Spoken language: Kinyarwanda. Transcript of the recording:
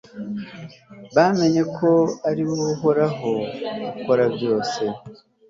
bamenye ko ari wowe, uhoraho, ukora byose